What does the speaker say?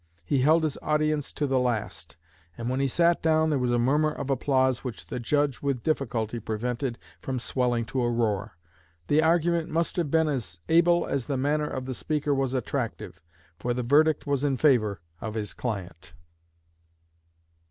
He held his audience to the last; and when he sat down there was a murmur of applause which the judge with difficulty prevented from swelling to a roar. The argument must have been as able as the manner of the speaker was attractive, for the verdict was in favor of his client.